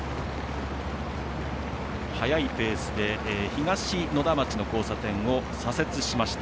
速いペースで東野田町の交差点を左折しました。